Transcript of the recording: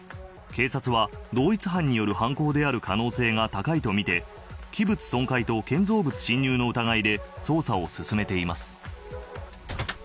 警察は、同一犯による犯行である可能性が高いとみて器物損壊と建造物侵入の疑いで捜査を進めています。